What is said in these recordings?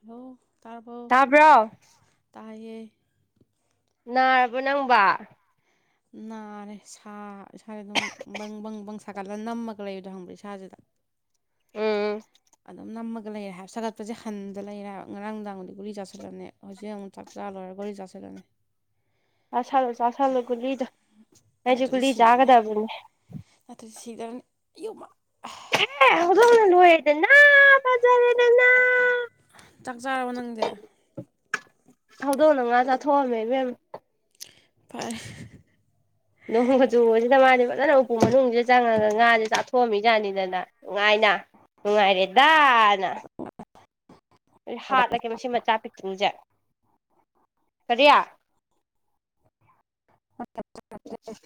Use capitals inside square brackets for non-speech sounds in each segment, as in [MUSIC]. Hello ꯇꯥꯔꯕꯣ ꯇꯥꯕ꯭ꯔꯣ ꯇꯥꯏꯌꯦ ꯅꯥꯔꯕꯣ ꯅꯪꯕ ꯅꯥꯔꯦ ꯁꯥ ꯏꯁꯥꯁꯦ ꯑꯗꯨꯝ ꯕꯪ ꯕꯪ ꯕꯪ ꯁꯥꯒꯠꯂꯒ ꯅꯝꯃꯒ ꯂꯩꯕꯗꯣ ꯈꯪꯕ꯭ꯔꯥ ꯏꯁꯥꯁꯤꯗ ꯎꯝ ꯑꯗꯨꯝ ꯅꯝꯃꯒ ꯂꯩꯔꯦ ꯍꯥꯏꯕ ꯁꯥꯒꯠꯄꯁꯦ ꯍꯟꯗ ꯂꯩꯔꯦ ꯍꯥꯏꯕ ꯉꯔꯥꯡ ꯅꯨꯡꯗꯥꯡꯕꯨꯗꯤ ꯒꯨꯂꯤ ꯆꯥꯁꯤꯜꯂꯝꯅꯦ ꯍꯧꯖꯤꯛ ꯑꯃꯨꯛ ꯆꯥꯛ ꯆꯥꯂꯣꯏꯔ ꯒꯨꯂꯤ ꯆꯥꯁꯤꯜꯂꯅꯤ ꯆꯥꯁꯜꯂꯣ ꯆꯥꯁꯜꯂꯣ ꯒꯨꯂꯤꯗꯣ ꯑꯩꯁꯦ ꯒꯨꯂꯤ ꯆꯥꯒꯗꯕꯅꯦ ꯅꯠꯇ꯭ꯔ ꯁꯤꯗ [UNINTELLIGIBLE] ꯑꯩꯌꯣꯃꯥ ꯀꯟꯅꯥꯏ ꯍꯧꯗꯣꯡꯅ ꯂꯣꯏꯔꯦꯗꯅ ꯐꯖꯔꯦꯗꯅ ꯆꯥꯛ ꯆꯥꯔꯕ ꯅꯪꯗꯤ ꯍꯧꯗꯣꯡꯅ ꯉꯥ ꯆꯥꯊꯣꯛꯑꯝꯃꯦ ꯏꯕꯦꯝ ꯐꯔꯦ ꯅꯣꯡꯒꯆꯨꯕꯁꯤꯗ ꯃꯥꯗꯤ ꯐꯖꯅ ꯎꯄꯨ ꯃꯅꯨꯡꯁꯤꯗ ꯆꯪꯉꯒ ꯉꯥꯁꯦ ꯆꯥꯊꯣꯛꯑꯝꯃꯤ ꯖꯥꯅꯤꯗꯅ ꯅꯨꯡꯉꯥꯏꯅ ꯅꯨꯡꯉꯥꯏꯔꯦꯗꯥꯅ [INAUDIBLE] ꯑꯩ ꯍꯥꯠꯂꯒꯦ ꯃꯁꯤ ꯃꯆꯥ ꯄꯤꯛꯇ꯭ꯔꯨꯁꯦ ꯀꯔꯤ [INAUDIBLE]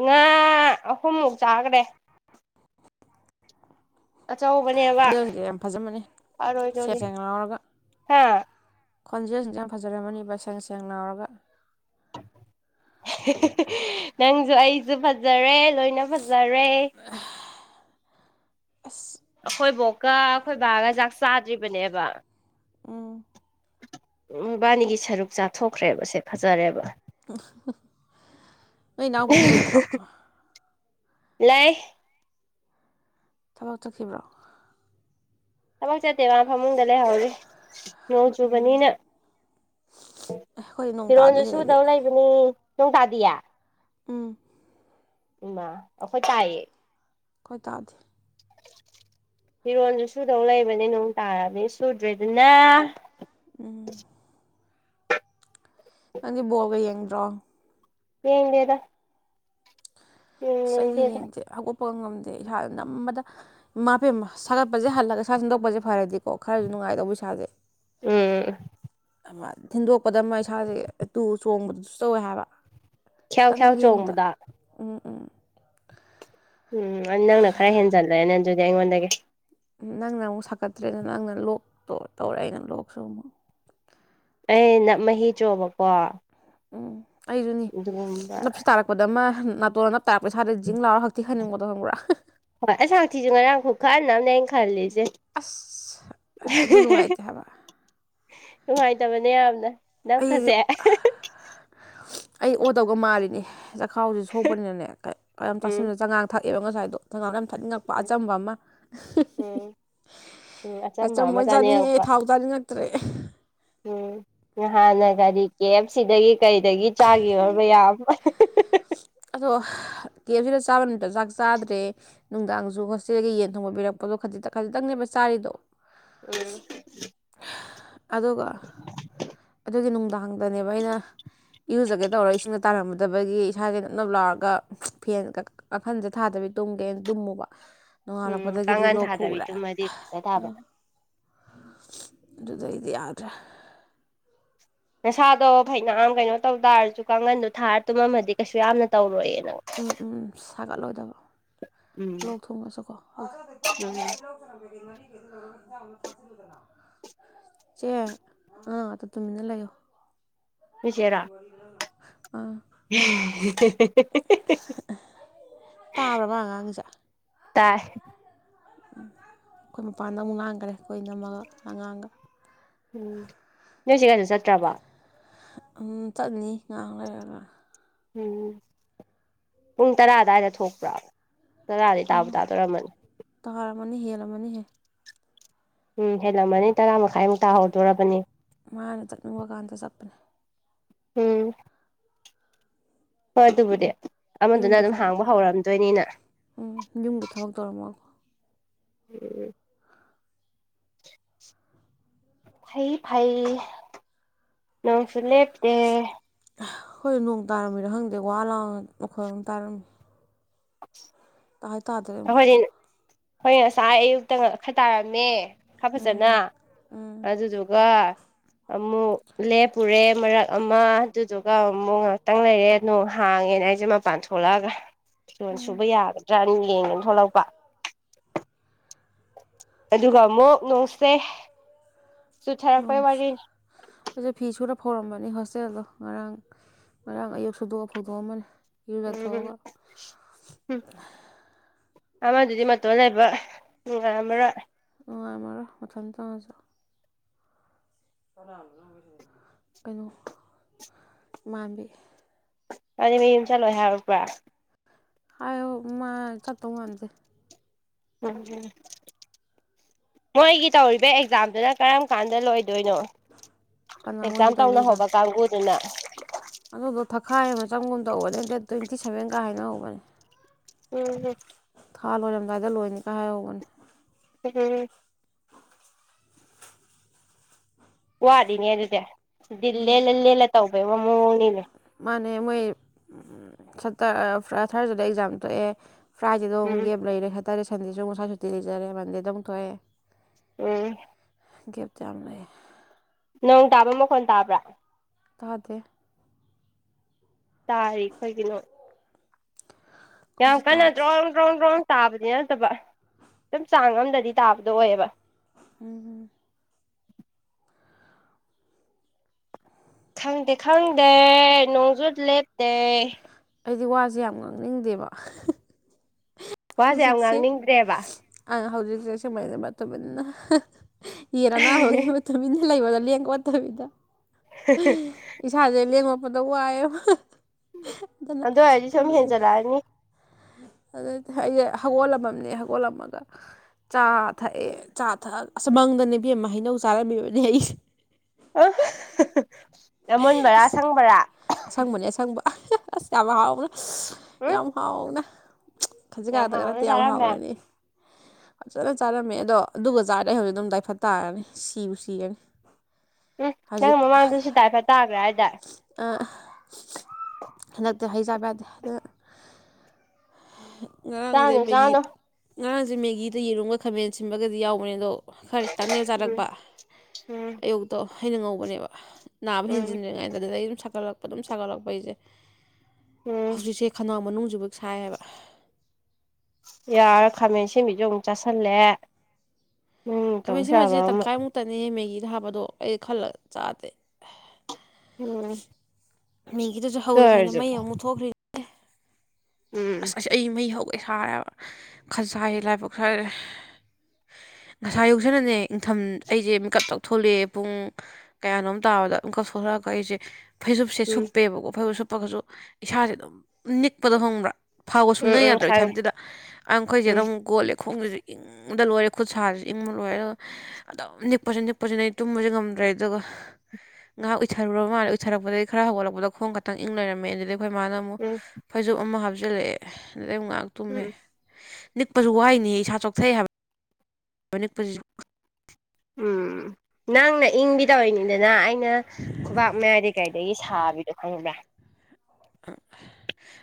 ꯉꯥ ꯑꯍꯨꯝꯃꯨꯛ ꯆꯥꯈ꯭ꯔꯦ ꯑꯆꯧꯕ [UNINTELLIGIBLE] ꯁꯤꯗꯤ ꯌꯥꯝ ꯐꯖꯕꯅꯤ ꯁꯦꯠ ꯁꯦꯡ ꯂꯥꯎꯔꯒ ꯍꯥ ꯈꯣꯟꯖꯦꯜꯁꯤꯡꯁꯦ ꯌꯥꯝ ꯐꯖꯔꯝꯃꯅꯤꯕ ꯁꯦꯡ ꯁꯦꯡ ꯂꯥꯎꯔꯒ꯫ ꯅꯪꯁꯨ ꯑꯩꯁꯨ ꯐꯖꯔꯦ ꯂꯣꯏꯅ ꯐꯖꯔꯦ꯫ [UNINTELLIGIBLE] ꯑꯁ ꯑꯩꯈꯣꯏꯕꯣꯛꯀ ꯑꯩꯈꯣꯏ ꯕꯥꯒ ꯆꯥꯛ ꯆꯥꯗ꯭ꯔꯤꯕꯅꯦꯕ ꯎꯝ ꯎꯕꯥꯅꯤꯒꯤ ꯁꯔꯨꯛ ꯆꯥꯊꯣꯛꯈ꯭ꯔꯦꯕꯁꯦ ꯐꯖꯔꯦꯕ꯫ ꯅꯣꯏ ꯏꯅꯥꯎꯄꯤꯗꯤ ꯂꯩꯇ꯭ꯔꯣ꯫ ꯂꯩ꯫ ꯊꯕꯛ ꯆꯠꯈꯤꯕ꯭ꯔꯣ ꯊꯕꯛ ꯆꯠꯇꯦ ꯃ ꯐꯃꯨꯡꯗ ꯂꯩꯍꯧꯔꯤ ꯅꯣꯡ ꯆꯨꯕꯅꯤꯅ ꯑꯩꯈꯣꯏ ꯅꯣꯡ ꯇꯥꯗꯦ ꯐꯤꯔꯣꯟꯁꯨ ꯁꯤꯗꯗꯤ ꯁꯨꯗꯧ ꯂꯩꯕꯅꯤ ꯅꯣꯡ ꯇꯗꯤꯌꯦ ꯎꯝ ꯍꯩꯃ ꯑꯩꯈꯣꯏ ꯇꯥꯏꯌꯦ ꯑꯩꯈꯣꯢ ꯇꯥꯗꯦ ꯐꯤꯔꯣꯜꯁꯨ ꯁꯨꯗꯧ ꯂꯩꯕꯅꯦ ꯅꯣꯡ ꯇꯥꯕꯅꯤ ꯁꯨꯗ꯭ꯔꯦꯗꯨꯅ ꯎꯝ ꯅꯪꯗꯤ ꯕꯣꯜꯒ ꯌꯦꯡꯗ꯭ꯔꯣ ꯌꯦꯡꯗꯦꯗ ꯑꯁ ꯑꯩꯗꯤ ꯌꯦꯡꯅꯤꯡꯗꯦꯗ ꯌꯦꯡꯗꯦ ꯍꯧꯒꯠꯄꯒ ꯉꯝꯗꯦ ꯏꯁꯥꯁꯦ ꯅꯝꯕꯗ ꯃꯥꯄꯦꯝꯃ ꯁꯥꯒꯠꯄꯁꯦ ꯍꯜꯂꯒ ꯁꯥ ꯁꯟꯗꯣꯛꯄꯁꯦ ꯐꯔꯗꯤꯀꯣ ꯈꯔꯁꯨ ꯅꯨꯡꯉꯥꯏꯗꯧꯕ ꯏꯁꯥꯁꯦ ꯎꯝ [UNINTELLIGIBLE] ꯊꯤꯟꯗꯣꯛꯄꯗ ꯑꯃ ꯏꯁꯥꯁꯦ ꯇꯨ ꯆꯣꯡꯕꯗꯁꯨ ꯇꯧꯋꯦ ꯍꯥꯏꯕ꯫ ꯈ꯭ꯌꯥꯎ ꯇꯪ ꯈ꯭ꯌꯥꯎ ꯂꯦꯡꯕꯗ ꯆꯣꯡꯕꯗꯣ ꯎꯝ ꯎꯝ꯫ ꯎꯝ ꯅꯪꯅ ꯈꯔ ꯍꯦꯟꯖꯜꯂꯦꯅꯦ ꯑꯗꯨꯗꯤ ꯑꯩꯉꯣꯟꯗꯒꯤ꯫ ꯅꯪꯅ ꯑꯃꯨꯛ ꯁꯥꯀꯠꯇ꯭ꯔꯦꯗ ꯅꯪꯅ ꯂꯣꯛ ꯇꯧꯔꯦ ꯑꯩꯅ ꯂꯣꯛꯁꯨ ꯑꯃꯨꯛ ꯑꯩ ꯅꯝ ꯃꯍꯤ ꯆꯣꯕꯀꯣ ꯎꯝ ꯑꯩꯁꯨꯅꯤ ꯑꯗꯨꯒꯨꯝꯕ ꯅꯞꯁꯤ ꯇꯥꯔꯛꯄꯗ ꯑꯃ ꯅꯥꯇꯣꯟ ꯇꯥꯔꯛꯄꯗ ꯖꯤꯡ ꯂꯥꯎꯔ ꯈꯛꯇꯤ ꯈꯪꯅꯤꯡꯕꯣꯗꯣ ꯈꯪꯕ꯭ꯔꯥ ꯍꯣꯢ ꯑꯩꯁꯨ ꯍꯥꯛꯊꯤꯁꯦ ꯉꯔꯥꯡ ꯈꯨꯈꯟ ꯑꯝꯅꯦ ꯈꯜꯂꯤꯁꯦ ꯑꯁ ꯑꯗꯨꯅꯨꯡꯉꯥꯢꯇꯦ ꯍꯥꯏꯕ ꯅꯨꯡꯉꯥꯏꯇꯕꯅꯦ ꯌꯥꯝꯅ ꯑꯩ ꯅꯞꯀꯁꯦ ꯑꯩ ꯑꯣꯗꯩꯒ ꯃꯥꯜꯂꯤꯅꯤ ꯆꯥꯛꯈꯥꯎꯁꯦ ꯁꯣꯛꯄꯅꯤꯅꯅꯦ ꯀꯌꯩꯝ ꯀꯌꯥꯝꯝ ꯎꯝ ꯇꯥꯁꯤꯟꯗ ꯆꯉꯥꯡ ꯊꯛꯑꯦꯕ ꯉꯁꯥꯏꯗꯣ ꯆꯉꯥꯡ ꯌꯥꯝ ꯊꯛꯅꯤꯡꯉꯛꯄ ꯑꯆꯝꯕ ꯑꯃ ꯎꯝ ꯎꯝ ꯑꯆꯝꯕ ꯑꯃ ꯑꯆꯝꯕꯣꯏ ꯆꯥꯅꯤꯡꯉꯛꯑꯦ ꯆꯥꯅꯤꯡꯉꯛꯄ ꯊꯥꯎ ꯆꯥꯅꯤꯡꯉꯛꯇ꯭ꯔꯦ ꯎꯝ ꯅꯍꯥꯟꯅ ꯒꯥꯔꯤ ꯀꯦꯞ ꯁꯤꯗꯒꯤ ꯀꯔꯤꯗꯒꯤ ꯆꯥꯒꯤꯕ ꯃꯌꯥꯝ ꯑꯗꯣ ꯀꯦꯞ ꯁꯤꯗ ꯆꯥꯕ ꯅꯨꯃꯤꯠꯇ ꯆꯥꯛ ꯆꯥꯗ꯭ꯔꯦ ꯅꯨꯡꯗꯥꯡꯁꯨ ꯍꯣꯁꯇꯦꯜꯒꯤ ꯌꯦꯟ ꯊꯣꯡꯕ ꯄꯕꯤꯔꯛꯄꯗꯣ ꯈꯖꯤꯛꯇꯪ ꯈꯖꯤꯛꯇꯪꯅꯦꯕ ꯆꯥꯔꯤꯗꯣ ꯎꯝ ꯑꯗꯨꯒ ꯑꯗꯨꯒꯤ ꯅꯨꯡꯗꯥꯡꯗꯅꯦꯕ ꯑꯩꯅ ꯏꯔꯨꯖꯒꯦ ꯇꯧꯔ ꯏꯁꯤꯡꯗ ꯇꯥꯜꯂꯝꯃꯗꯕꯒꯤ ꯏꯁꯥꯁꯦ ꯅꯞꯅꯞ ꯂꯥꯎꯔꯒ ꯐꯦꯟꯒ ꯀꯥꯡꯈꯟꯁꯦ ꯊꯥꯗꯕꯤ ꯇꯨꯝꯒꯦꯅ ꯇꯨꯝꯃꯨꯕ ꯎꯝ ꯅꯣꯡꯉꯥꯜꯂꯛꯄꯗꯒꯤꯗꯤ ꯀꯥꯡꯒꯟ ꯂꯣꯛ ꯊꯥꯗꯕꯤ ꯈꯨꯔꯦ ꯇꯨꯝꯃꯗꯤ ꯐꯖ ꯑ ꯇꯥꯕ ꯑꯗꯨꯗ ꯑꯩꯗꯤ ꯌꯥꯗ꯭ꯔꯦ ꯅꯁꯥꯗꯣ ꯐꯩꯅ ꯀꯩꯅꯣ ꯇꯧ ꯇꯥꯔꯁꯨ ꯀꯥꯡꯒꯟꯗꯣ ꯊꯥꯔ ꯇꯨꯝꯃꯝꯃꯗꯤ ꯀꯩꯁꯨ ꯌꯥꯝꯅ ꯇꯧꯔꯣꯏꯌꯦ ꯅꯡ ꯎꯝ ꯎꯝ ꯁꯥꯒꯠꯂꯣꯏꯗꯕ ꯎꯝ ꯂꯣꯛ ꯊꯨꯡꯉꯁꯨꯀꯣ ꯎꯝ ꯊꯥꯗꯅ [UNINTELLIGIBLE] ꯆꯦ ꯑꯥ ꯇꯨꯃꯤꯟꯅ ꯂꯩꯌꯣ ꯅꯣꯏ ꯆꯦꯔꯣ ꯑꯥ [INAUDIBLE] ꯇꯥꯕ꯭ꯔ ꯃꯥ ꯉꯥꯡꯉꯤꯁꯦ ꯇꯥꯏ ꯑꯩꯈꯣꯏ ꯃꯄꯥꯟꯗ ꯑꯃꯨꯛ ꯉꯥꯡꯈꯔꯦ ꯑꯩꯈꯣꯏ ꯢꯅꯝꯃꯒ ꯑꯉꯥꯡꯒ ꯎꯝ ꯅꯣꯢ ꯆꯦ ꯀꯩꯁꯨꯆꯠꯇ꯭ꯔꯕ ꯑꯝ ꯆꯠꯅꯤ ꯉꯥꯛꯂꯩꯔꯒ ꯎꯝ ꯄꯨꯡ ꯇꯔꯥ ꯑꯗꯨꯋꯥꯏꯗ ꯊꯣꯛꯄ꯭ꯔꯣ ꯇꯔꯥꯗꯥꯇꯥꯕꯨ ꯇꯥꯗꯣꯏꯔꯝꯃꯅꯤ ꯇꯔ ꯃꯅꯤ ꯍꯦꯂꯥ ꯃꯅꯤ ꯍꯦ ꯎꯝ ꯍꯦꯜꯂꯝꯃꯅꯤ ꯇꯔꯥ ꯃꯈꯥꯏꯃꯨꯛ ꯇꯥꯍꯧꯗꯣꯔꯕꯅꯤ ꯃꯥꯅ ꯆꯠꯅꯤꯡꯕ ꯀꯥꯟꯗ ꯆꯠꯄꯅꯦ ꯎꯝ ꯍꯣꯏ ꯑꯗꯨꯕꯨꯗꯤ ꯑꯃꯗꯨꯅ ꯌꯨꯝꯒꯤ ꯑꯗꯨꯝ ꯊꯕꯛ ꯍꯥꯡꯕ ꯍꯧꯔꯝꯗꯣꯏꯅꯤꯅ ꯎꯝ ꯌꯨꯝꯒꯤ ꯊꯕꯛ ꯇꯧꯔꯝꯃꯒꯀꯣ [UNINTELLIGIBLE] ꯍꯩ ꯐꯩ ꯅꯣꯡꯁꯨ ꯂꯦꯞꯇꯦ ꯍꯣꯏ ꯅꯣꯡ ꯇꯥꯔꯝꯃꯤꯅ ꯈꯪꯗꯦ ꯋꯥ ꯂꯥꯎ ꯃꯈꯣꯏ ꯑꯃ ꯇꯥꯔꯝꯃꯤ [INAUDIBLE] ꯍꯥꯏ ꯇꯥꯗ꯭ꯔꯦ ꯑꯃꯨꯛ ꯑꯩꯈꯣꯏꯗꯤ ꯑꯩꯈꯣꯏ ꯉꯁꯥꯏ ꯑꯌꯨꯛꯇ ꯉꯛ ꯈꯔ ꯇꯥꯔꯝꯃꯦ ꯈꯔ ꯐꯖꯅ ꯑꯗꯨꯗꯨꯒ ꯑꯃꯨꯛ ꯂꯦꯞꯄꯨꯔꯦ ꯃꯔꯛ ꯑꯃ ꯑꯗꯨꯗꯨꯒ ꯑꯃꯨꯛ ꯉꯥꯏꯍꯥꯛꯇꯪ ꯂꯩꯔꯦ ꯅꯣꯡ ꯍꯥꯡꯉꯦꯅ ꯑꯩꯁꯦ ꯃꯄꯥꯟ ꯊꯣꯛꯂꯛꯑꯒ ꯐꯤꯔꯣꯟ ꯁꯨꯕ ꯌꯥꯒꯗ꯭ꯔꯅ ꯌꯦꯡꯒꯦꯅ ꯊꯣꯛꯂꯛꯄ ꯑꯗꯨꯒ ꯑꯃꯨꯛ ꯅꯨꯡꯁꯦ ꯑꯩꯁꯦ ꯐꯤ ꯁꯨꯔ ꯐꯧꯔꯝꯕꯅꯤ ꯍꯣꯁꯇꯦꯜꯗꯣ ꯉꯔꯥꯡ ꯉꯔꯥꯡ ꯑꯌꯨꯛ ꯁꯨꯗꯣꯛꯑ ꯐꯧꯗꯣꯛꯑꯝꯕꯅꯦ ꯑꯃꯅꯤꯅꯦ ꯎꯝ ꯌꯔꯒꯊꯣꯛꯑꯒ ꯎꯝ ꯑꯃꯗꯨꯗꯤ ꯃꯇꯣꯟ ꯂꯩꯕ ꯅꯨꯡ ꯉꯥꯃꯔꯣꯏ ꯅꯨꯡꯥꯏ ꯑꯃꯔ ꯑꯣꯊꯟ ꯆꯪꯉꯁꯨ ꯀꯩꯅꯣ ꯏꯃꯥꯟꯕꯤ [UNINTELLIGIBLE] ꯌꯨꯝ ꯆꯠꯂꯣꯏ ꯍꯥꯏꯔꯕ꯭ꯔꯥ ꯍꯥꯏꯑꯣ ꯃꯥ ꯆꯠꯇꯣ ꯋꯥꯗꯦ [UNINTELLIGIBLE] ꯃꯣꯏꯒꯤ ꯇꯧꯔꯤꯕ ꯑꯦꯛꯖꯥꯝꯗꯨꯅ ꯀꯔꯝ ꯀꯥꯟꯗ ꯂꯣꯏꯗꯣꯏꯅꯣ ꯀꯅꯥ ꯑꯦꯛꯖꯥꯝ ꯃꯣꯏꯒꯤ ꯇꯧꯔꯤꯕ ꯇꯧꯅ ꯑꯦꯛꯖꯥꯝ ꯍꯧꯕ ꯀꯥꯡꯕꯨꯗꯨꯅ ꯑꯗꯨꯗꯣ ꯊꯈꯥꯏ ꯑꯃ ꯆꯪꯒꯨꯝ ꯇꯧꯕꯅꯦ ꯗꯦꯠ ꯇ꯭ꯋꯦꯟꯇꯤ ꯁꯕꯦꯟꯒ ꯍꯥꯏꯅ ꯍꯧꯕꯅꯦ ꯎꯝ ꯍꯝ ꯊꯥ ꯂꯣꯏꯔꯝꯗꯥꯏꯗ ꯂꯣꯏꯅꯤꯒꯥꯏ ꯍꯥꯏꯍꯧꯕꯅꯦ [UNINTELLIGIBLE] ꯋꯥꯗꯤꯅꯦ ꯑꯗꯨꯗꯤ ꯑꯗꯨꯗꯤ ꯂꯦꯜꯂ ꯂꯦꯜꯂ ꯇꯧꯕꯩ ꯃꯃꯣꯅꯤꯅꯦ ꯃꯥꯅꯦ ꯃꯣꯏ [UNINTELLIGIBLE] ꯊꯥꯔꯁꯤꯗ ꯑꯦꯛꯖꯥꯝ ꯊꯣꯛꯑꯦ ꯐ꯭ꯔꯥꯏꯗꯦꯗ ꯎꯝ ꯑꯃꯨꯛ ꯒꯞ ꯂꯩꯔꯦ ꯁꯦꯇꯔꯗꯦ ꯁꯟꯗꯦꯁꯨ ꯉꯁꯥꯏ ꯁꯨꯇꯤ ꯂꯩꯖꯔꯦ ꯃꯟꯗꯦꯗ ꯑꯃꯨꯛ ꯊꯣꯛꯑꯦ ꯎꯝ ꯒꯦꯞ ꯆꯥ ꯂꯩ ꯅꯣꯡ ꯇꯥꯕ ꯃꯈꯣꯟ ꯇꯥꯕ꯭ꯔꯥ ꯇꯥꯗꯦ ꯇꯥꯔꯤ ꯑꯩꯈꯣꯏꯒꯤꯅꯣ ꯌꯥꯝ ꯑꯩꯈꯣꯏꯁꯨ ꯀꯟꯅ ꯇꯥꯗꯦ ꯗ꯭ꯔꯣꯡ ꯗ꯭ꯔꯣꯡ ꯗ꯭ꯔꯣꯡ ꯇꯥꯕꯗꯤ ꯅꯠꯇꯕ ꯑꯗꯨꯝ ꯆꯥꯡ ꯑꯝꯗꯗꯤ ꯇꯥꯕꯗꯣ ꯑꯣꯏꯌꯦꯕ ꯎꯝ ꯎꯝ ꯈꯪꯗꯦ ꯈꯪꯗꯦ ꯅꯣꯡꯖꯨꯠ ꯂꯦꯞꯇꯦ ꯑꯩꯗꯤ ꯋꯥꯁꯦ ꯌꯥꯝ ꯉꯥꯡꯅꯤꯡꯗꯦꯕ ꯋꯥꯁꯦ ꯌꯥꯝ ꯍꯧꯖꯤꯛꯁꯦ ꯉꯥꯡꯅꯤꯡꯗ꯭ꯔꯦꯕ [UNINTELLIGIBLE] [UNINTELLIGIBLE] ꯇꯨꯃꯤꯟꯅ ꯂꯩꯕꯗꯥ ꯂꯦꯡ ꯋꯥꯠꯇꯕꯤꯗ [UNINTELLIGIBLE] ꯏꯁꯥꯁꯦ ꯂꯦꯡꯃꯛꯄꯗ ꯋꯥꯏꯑꯦꯕ ꯑꯗꯨꯅ ꯑꯗꯨ ꯑꯣꯏꯔꯗꯤ ꯇꯧ ꯁꯨꯝ ꯍꯦꯟꯖꯜꯂꯛꯑꯅꯤ ꯑꯗꯨꯗꯤ ꯑꯩꯁꯦ ꯍꯧꯒꯣꯜꯂꯝꯃꯝꯅꯦ ꯍꯧꯒꯣꯜꯂꯝꯃꯒ ꯆꯥ ꯊꯛꯑꯦ ꯆꯥ ꯊꯛꯑꯒ ꯑꯁꯨꯃꯪꯗꯅꯦꯕꯦꯝ ꯍꯩꯅꯧ ꯆꯥꯔꯝꯃꯤꯕꯅꯦ ꯑꯩꯁꯦ ꯑ ꯑꯃꯨꯟꯕꯔꯥ ꯁꯪꯕꯔꯥ ꯑꯁꯪꯕꯅꯦ ꯑꯁꯪꯕ ꯑꯁ ꯌꯥꯝ ꯍꯥꯎꯅ ꯎꯝ ꯌꯥꯝ ꯍꯥꯎꯅ ꯈꯟꯖꯤꯛ ꯌꯥꯝ ꯈꯥꯗꯒ ꯍꯥꯎꯅ ꯅꯠꯇꯦ ꯌꯥꯝ ꯆꯥꯔꯝꯃꯦ ꯍꯥꯎꯔꯅꯤ ꯐꯖꯅ ꯆꯥꯔꯝꯃꯦ ꯑꯗꯣ ꯑꯗꯨꯒ ꯆꯥꯔꯗꯤ ꯑꯩ ꯍꯧꯖꯤꯛ ꯑꯗꯨꯝ ꯇꯏꯐꯠ ꯇꯥꯔꯅꯤ ꯁꯤꯕꯨ ꯁꯤꯔꯅꯤ [UNINTELLIGIBLE] ꯎꯝ ꯅꯪ ꯍꯧꯖꯤꯛ ꯃꯃꯥꯡꯗꯁꯨꯗꯥꯏꯐ ꯇꯥꯕ꯭ꯔꯥ ꯍꯥꯏꯗꯥ ꯍꯟꯗꯛꯇꯤ ꯍꯩꯖꯕ ꯌꯥꯗꯦ ꯑꯗ ꯉꯔꯥꯡꯁꯦ ꯆꯥꯅꯨ ꯃꯦꯒꯤ ꯆꯥꯅꯨ ꯉꯔꯥꯡꯁꯦ ꯃꯦꯒꯤꯗ ꯌꯦꯔꯨꯝꯒ ꯈꯥꯃꯦꯟ ꯁꯤꯟꯕꯒꯗꯤ ꯌꯥꯎꯕꯅꯦ ꯑꯗꯣ ꯈꯔ ꯆꯪꯅꯦ ꯎꯝ ꯆꯥꯔꯛꯄ ꯎꯝ ꯑꯌꯨꯛꯇꯣ ꯍꯩꯅ ꯉꯧꯕꯅꯦꯕ ꯅꯥꯕ ꯎꯝ ꯍꯦꯟꯖꯤꯟꯗ꯭ꯔꯤꯉꯥꯏꯗ ꯑꯗꯨꯗ ꯑꯩ ꯑꯗꯨꯝ ꯁꯥꯒꯠꯂꯛꯄ ꯑꯗꯨꯝ ꯁꯥꯒꯠꯂꯛꯄ ꯑꯩꯁꯦ ꯎꯝ ꯍꯧꯖꯤꯛꯁꯦ ꯈꯅꯥꯎ ꯃꯅꯨꯡꯁꯤꯕ ꯁꯥꯏꯑꯕ [INAUDIBLE] ꯌꯥꯔ ꯈꯥꯃꯦꯟ ꯁꯦꯝꯕꯤꯁꯨ ꯑꯃꯨꯛ ꯆꯥꯁꯤꯜꯂꯦ ꯈꯥꯃꯦꯟꯁꯤꯃꯁꯦ ꯇꯪꯈꯥꯏꯃꯨꯛꯇꯅꯦ ꯃꯦꯒꯤꯗ ꯍꯥꯞꯄꯗꯣ ꯑꯩ ꯈꯜꯂꯒ ꯆꯥꯗꯦ ꯎꯝ ꯃꯤꯒꯤꯗꯨꯁꯨ ꯑꯗꯨ ꯍꯧꯔꯤꯉꯥꯏꯅ ꯑꯣꯏꯔꯁꯨ ꯃꯩ ꯑꯃꯨꯛ ꯊꯣꯛꯈ꯭ꯔꯤ ꯎꯝ ꯑꯩ ꯃꯩ ꯍꯧꯒꯦ ꯁꯥꯔꯦꯕ ꯈꯖ ꯂꯥꯏꯕꯛ ꯈ꯭ꯔꯦ ꯅꯁꯥ ꯌꯧꯁꯅꯅꯦ ꯏꯊꯝ ꯑꯩꯁꯦ ꯃꯤꯀꯞ ꯇꯧꯊꯂꯛꯑꯦ ꯄꯨꯡ ꯀꯌꯥꯅꯣꯝ ꯇꯥꯕꯗ ꯑꯃꯨꯛꯀꯛ ꯁꯣꯛꯂꯛꯑꯒ ꯑꯩꯁꯦ ꯐꯩꯖꯨꯞꯁꯦ ꯎꯝ ꯁꯨꯞꯄꯦꯕꯀꯣ ꯐꯩꯁꯨꯨꯞ ꯁꯨꯞꯄꯒꯁꯨ ꯏꯁꯥꯁꯦ ꯑꯗꯨꯝ ꯅꯤꯛꯄꯗꯣ ꯈꯪꯕ꯭ꯔꯥ ꯐꯥꯎꯕ ꯎꯝ ꯁꯨꯡꯌꯥ ꯎꯝ ꯌꯥꯗ꯭ꯔ ꯈꯪꯉꯦ ꯏꯊꯟꯇꯗ ꯑꯈꯣꯏ ꯆꯦꯗ ꯎꯝ ꯑꯃꯨꯛ ꯀꯣꯜꯂꯦ ꯈꯣꯡꯒꯖꯤ ꯏꯪꯗ ꯂꯣꯏꯔꯦ ꯈꯨꯠ ꯁꯥꯁꯨ ꯏꯪꯕ ꯂꯣꯏꯔꯦ ꯑꯗꯨꯝ ꯅꯤꯛꯄꯁꯤ ꯅꯤꯛꯄꯁꯤꯅ ꯑꯩ ꯇꯨꯝꯕꯁꯦ ꯉꯝꯗ꯭ꯔꯦ ꯑꯗꯨꯒ ꯉꯥꯏꯍꯥꯛ ꯎꯊꯔꯨꯔꯕ ꯃꯥꯜꯂ ꯎꯠꯊꯔꯛꯄꯗꯩ ꯈꯔ ꯍꯧꯒꯠꯂꯛꯄꯗ ꯈꯣꯡ ꯈꯛꯇꯪ ꯢꯪ ꯂꯩꯔꯝꯃꯦ ꯑꯗꯨꯗꯩ ꯑꯩꯈꯣꯏ ꯃꯥꯅ ꯎꯝ ꯐꯩꯖꯨꯞ ꯑꯃ ꯍꯥꯞꯆꯤꯜꯂꯦ ꯑꯗꯩ ꯑꯃꯨꯛ ꯉꯥꯏꯍꯥꯛ ꯇꯨꯝꯃꯦ ꯎꯝ ꯅꯤꯛꯄꯁꯨ ꯋꯥꯏꯅꯦ ꯢꯁꯥ ꯆꯣꯛꯊꯩ ꯍꯥꯏꯕ ꯑꯅꯛꯇꯁꯨ ꯎꯝ ꯅꯪꯅ ꯏꯪꯕꯤ ꯇꯧꯔꯤꯅꯤꯗꯅ ꯑꯩꯅ ꯈꯨꯕꯥꯛ ꯃꯌꯥꯏꯗ ꯀꯔꯤꯗꯒꯤ ꯁꯥꯕꯤꯗꯣ ꯈꯪꯕ꯭ꯔꯥ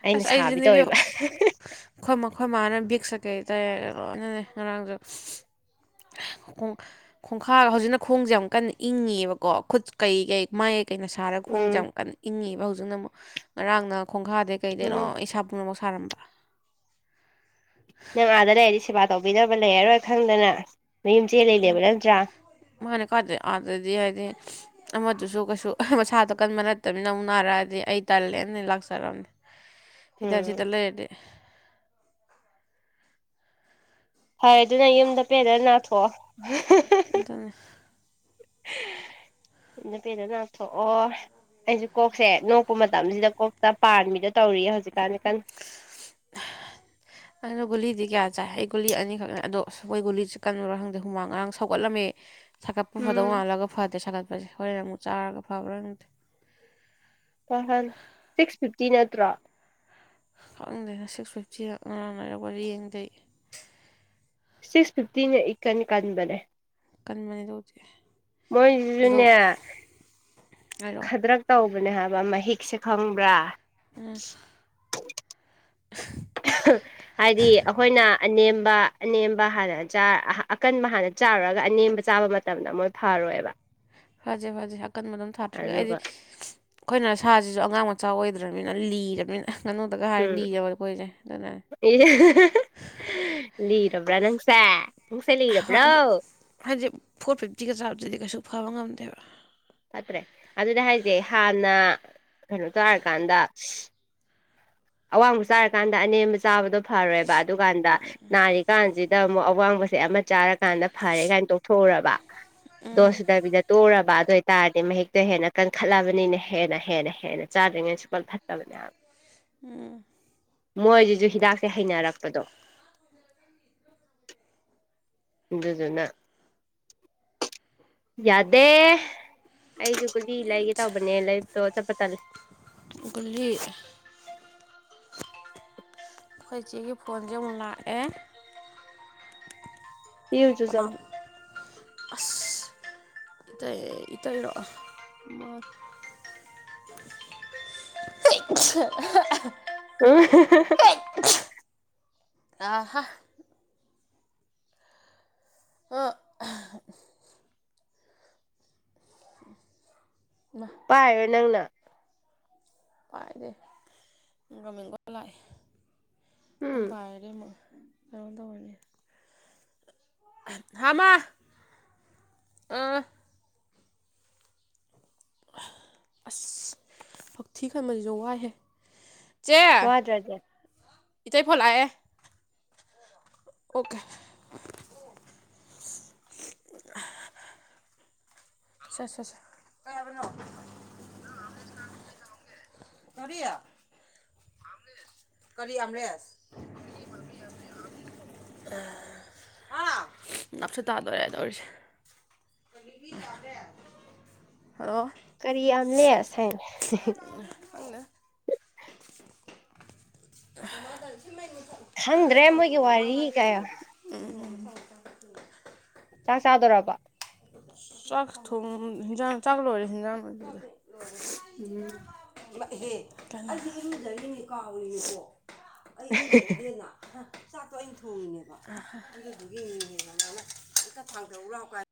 ꯑꯩꯅ ꯑꯁ ꯁꯥꯕꯤ ꯑꯩꯗꯤꯅꯕꯣ ꯇꯧꯋꯦꯕ ꯑꯩꯣꯏ ꯃꯈꯣꯏ ꯃꯥꯅ ꯕꯤꯛꯁ ꯀꯩ ꯇꯥꯏ ꯂꯣꯏꯅꯅꯦ ꯉꯔꯥꯡꯁꯨ ꯣꯡ ꯈꯣꯡꯈꯥꯒ ꯍꯧꯖꯤꯛꯅ ꯈꯣꯡꯁꯦ ꯌꯥꯝꯨꯛ ꯀꯟꯅ ꯏꯪꯉꯦꯕꯀꯣ ꯈꯨꯠ ꯀꯩ ꯀꯩ ꯃꯥꯏꯌꯥꯌꯦꯛ ꯀꯩꯅ ꯁꯥꯔꯒ ꯈꯣꯡꯁꯦ ꯎꯝ ꯌꯥꯝꯨ ꯀꯟꯅ ꯏꯪꯉꯦꯕ ꯍꯧꯖꯤꯛꯅ ꯑꯃꯨꯛ ꯉꯔꯥꯡꯅ ꯈꯣꯡꯈꯥꯗꯩ ꯀꯩꯗꯩꯅꯣ ꯎꯝ ꯏꯁꯥ ꯄꯨꯝꯅꯃꯛ ꯁꯥꯔꯝꯕ ꯅꯪ ꯑꯥꯗ ꯂꯩꯔꯗꯤ ꯁꯦꯕꯥ ꯇꯧꯕꯤꯅꯕ ꯂꯩꯔꯔꯣꯏ ꯈꯪꯗꯅ ꯃꯌꯨꯝ ꯆꯦꯜꯂꯤꯅꯦꯕ ꯅꯠꯇ꯭ꯔꯥ ꯃꯥꯅꯦ ꯀꯔꯗ ꯑꯗꯗꯤ ꯍꯥꯏꯗꯤ ꯑꯃꯗꯨꯁꯨ ꯀꯩꯁꯨ ꯃꯁꯥꯗꯣ ꯀꯟꯕ ꯅꯠꯇꯕꯅꯤꯅ ꯑꯃꯨꯛ ꯅꯥꯔꯛꯑꯗꯤ ꯑꯩ ꯇꯜꯂꯦꯅ ꯑ ꯂꯥꯛꯆꯔꯝꯅꯤ ꯁꯤꯗ ꯎꯝ ꯁꯤꯗ ꯂꯩꯔꯗꯤ ꯐꯔꯦ ꯑꯗꯨꯅ ꯌꯨꯝꯗ ꯄꯦꯟꯅ ꯅꯥꯊꯣꯛꯑꯣ ꯇ ꯄꯦꯟꯅ ꯅꯥꯊꯣꯛꯑꯣ ꯑꯩꯁꯦ ꯀꯣꯛꯁꯦ ꯅꯣꯛꯄ ꯃꯇꯝꯁꯤꯗ ꯀꯣꯛꯇ ꯄꯥꯟꯃꯤꯗꯣ ꯇꯧꯔꯤ ꯍꯧꯖꯤꯛꯀꯥꯟꯁꯦ ꯀꯟꯅ [UNINTELLIGIBLE] ꯑꯗꯨ ꯒꯨꯂꯤꯗꯤ ꯀꯌꯥ ꯆꯥꯏ ꯑꯩ ꯒꯨꯂꯤ ꯑꯅꯤꯈꯛꯅ ꯑꯗꯣ ꯑꯩꯈꯣꯏ ꯒꯨꯂꯤꯁꯦ ꯀꯟꯕꯔꯥ ꯈꯪꯗꯦ ꯍꯨꯃꯥꯡ ꯉꯔꯥꯡ ꯁꯧꯒꯠꯂꯝꯃꯦ ꯁꯥꯒꯠꯄ ꯐꯗꯧ ꯎꯝ ꯃꯥꯜꯂꯒ ꯐꯗꯦ ꯁꯥꯒꯠꯄꯁꯦ ꯍꯣꯔꯦꯟ ꯑꯃꯨꯛ ꯆꯔꯒ ꯐꯕ꯭ꯔ ꯈꯪꯗꯦ ꯁꯤꯛꯁ ꯐꯤꯐꯇꯤ ꯅꯠꯇ꯭ꯔꯣ ꯈꯪꯗꯦꯅ ꯁꯤꯛꯁ ꯐꯤꯐꯇꯤ ꯉꯔꯥꯡꯅꯔꯛ ꯋꯥ ꯌꯦꯡꯗꯦ ꯑꯩ ꯁꯤꯛꯁ ꯐꯤꯞꯇꯤꯅ ꯏꯀꯟ ꯀꯟꯕꯅꯦ ꯀꯟꯕꯅꯤ ꯑꯗꯨꯕꯨꯗꯤ ꯑꯗꯣ ꯃꯣꯏꯖꯨꯅꯦ ꯍꯥꯏꯔꯛꯑꯣ ꯈꯗ꯭ꯔꯛ ꯇꯧꯕꯅꯦ ꯍꯥꯏꯕ ꯃꯍꯤꯛꯁꯦ ꯈꯪꯕ꯭ꯔꯥ ꯎꯝ [UNINTELLIGIBLE] ꯍꯥꯏꯗꯤ ꯑꯩꯈꯣꯏꯅ ꯑꯅꯦꯝꯕ ꯑꯅꯦꯝꯕ ꯍꯥꯟꯅ ꯆꯥ ꯑꯥꯍ ꯑꯀꯟꯕ ꯍꯥꯟꯅ ꯆꯥꯔꯨꯔ ꯑꯅꯦꯝꯕ ꯆꯥꯕ ꯃ ꯇꯝꯗ ꯃꯣꯏ ꯐꯥꯔꯣꯏꯕ ꯐꯖꯩ ꯐꯖꯩ ꯑꯀꯟꯕ ꯑꯗꯨꯝ ꯊꯥꯇꯗ꯭ꯔꯤꯒꯩ ꯑꯩꯗꯤ ꯑꯗꯨꯒ ꯑꯩꯈꯣꯏꯅ ꯁꯥꯁꯤꯁꯨ ꯑꯉꯥꯡ ꯃꯆꯥ ꯑꯣꯏꯗ꯭ꯔꯕꯅꯤꯅ ꯂꯤꯔꯕꯅꯤꯅ ꯉꯥꯅꯨꯗꯒ ꯍꯥꯏꯔ ꯂꯤꯕ ꯑꯈꯣꯏꯁꯦ ꯑꯗꯨꯅꯅꯦ ꯑꯦ [UNINTELLIGIBLE] ꯂꯤꯔꯕ꯭ꯔꯥ ꯅꯪꯁꯦ ꯅꯪꯁꯦ ꯂꯤꯔꯕ꯭ꯔꯣ ꯍꯥꯏꯖꯤ ꯐꯣꯔ ꯐꯤꯞꯇꯤꯒ ꯆꯥꯕꯗꯗꯤ ꯀꯩꯁꯨ ꯐꯕ ꯉꯝꯗꯦꯕ ꯐꯠꯇ꯭ꯔꯦ ꯑꯗꯨꯗ ꯍꯥꯏꯁꯦ ꯍꯥꯟꯅ ꯀꯩꯅꯣ ꯆꯥꯔꯀꯥꯟꯗ ꯑꯋꯥꯡꯕ ꯆꯥꯔꯀꯥꯟꯗ ꯑꯅꯦꯝꯕ ꯆꯥꯕꯗꯣ ꯐꯔꯣꯏꯕ ꯑꯗꯨꯀꯥꯟꯗ ꯅꯥꯔꯤ ꯀꯥꯟꯁꯤꯗ ꯑꯃꯨꯛ ꯑꯋꯥꯡꯕꯁꯦ ꯑꯃ ꯆꯥꯔꯀꯥꯟꯗ ꯐꯔꯦ ꯀꯥꯏꯅ ꯇꯣꯛꯊꯣꯛꯎꯔꯕ ꯗꯣꯁꯁꯨꯗꯕꯤꯗ ꯇꯣꯛꯎꯔꯕ ꯑꯗꯨ ꯑꯣꯏꯇꯥꯔꯗꯤ ꯃꯍꯤꯛꯇꯣ ꯍꯦꯟꯅ ꯀꯟꯈꯠꯂꯕꯅꯤꯅ ꯍꯦꯟꯅ ꯍꯦꯟꯅ ꯍꯦꯟꯅ ꯆꯥꯗ꯭ꯔꯤꯉꯩ ꯁꯨꯡꯐꯠ ꯐꯠꯇꯕꯅꯦ ꯍꯥꯢ ꯎꯝ ꯃꯣꯏꯁꯤꯁꯨ ꯍꯤꯗꯥꯛꯁꯦ ꯍꯩꯅꯔꯛꯄꯗꯣ ꯑꯗꯨꯗꯨꯅ ꯌꯥꯗꯦ ꯑꯩꯁꯨ ꯀꯨꯗꯤ ꯂꯩꯒꯦ ꯇꯧꯕꯅꯦ ꯂꯩꯥꯕꯇꯣ ꯆꯠꯄ ꯇꯜꯂꯦ ꯒꯨꯂꯤ ꯑꯩꯈꯣꯏ ꯏꯆꯦꯒꯤ ꯐꯣꯟꯁꯦ ꯑꯃꯨꯛ ꯂꯥꯛꯑꯦ ꯄꯤꯌꯨꯆꯣ ꯆꯠꯂꯣ ꯀꯅꯥꯅꯣ [UNINTELLIGIBLE] ꯑꯁ ꯏꯇꯩ ꯏꯇꯩ ꯔꯣ ꯑ ꯃꯥ [UNINTELLIGIBLE] [UNINTELLIGIBLE] ꯑꯍ ꯑꯣ ꯏꯃꯥ ꯄꯥꯏꯔꯣꯢ ꯅꯪꯅ ꯄꯥꯏꯗꯦ ꯒꯣꯔꯃꯦꯟꯒꯣ ꯂꯥꯛꯑꯦ ꯑꯝ ꯎꯝ ꯄꯥꯏꯔꯗꯤ ꯑꯃꯨ ꯀꯩꯅꯣꯝ ꯇꯧꯔꯅꯤ [UNINTELLIGIBLE] ꯍꯥ ꯃꯥ ꯑ ꯑꯁ ꯍꯛꯊꯤ ꯈꯟꯕꯁꯤꯁꯨ ꯋꯥꯏꯍꯦ ꯏꯆꯦ ꯋꯥꯗ꯭ꯔꯗꯤ ꯏꯇꯩ ꯐꯣꯟ ꯂꯥꯛꯑꯦ ꯑꯣꯀꯦ [INAUDIBLE] [UNINTELLIGIBLE] [UNINTELLIGIBLE] ꯀꯔꯤ [UNINTELLIGIBLE] ꯀꯔꯤ ꯑꯥꯝꯔꯦꯁ [UNINTELLIGIBLE] [UNINTELLIGIBLE] ꯅꯞꯁꯨ ꯇꯥꯗꯧꯔꯦ ꯇꯧꯔꯤꯁꯦ [UNINTELLIGIBLE] ꯍꯜꯂꯣ ꯀꯔꯤ ꯑꯥꯝꯂꯦꯁ ꯍꯥꯏꯅꯦ [UNINTELLIGIBLE] ꯈꯪꯗꯦ [UNINTELLIGIBLE] ꯈꯪꯗ꯭ꯔꯦ ꯃꯣꯏꯒꯤ ꯋꯥꯔꯤ ꯀꯌꯥ ꯎꯝ [UNINTELLIGIBLE] ꯆꯥꯛ ꯆꯥꯗꯣꯔꯕꯣ ꯆꯥꯛ ꯊꯣꯡ ꯍꯤꯟꯖꯥꯡ ꯆꯥꯛ ꯂꯣꯏꯔꯦ ꯍꯦꯟꯖꯥꯡ [UNINTELLIGIBLE] ꯎꯝ [UNINTELLIGIBLE] ꯀꯥꯎꯔꯤꯅꯦꯀꯣ [UNINTELLIGIBLE] [UNINTELLIGIBLE] ꯆꯥꯛꯇꯣ ꯑꯩꯅ ꯊꯣꯡꯉꯤꯅꯦꯕ ꯑꯗꯨꯗꯨꯒꯤ ꯌꯦꯡꯉꯦꯕ [UNINTELLIGIBLE] ꯂꯥꯎ ꯀꯥꯏ